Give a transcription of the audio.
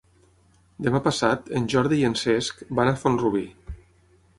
Demà passat en Jordi i en Cesc van a Font-rubí.